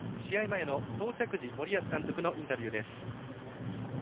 前の到着時、森保監督のインタビューです。